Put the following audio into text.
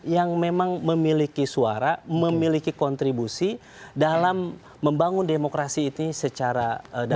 yang memang memiliki suara memiliki kontribusi dalam membangun demokrasi ini secara damai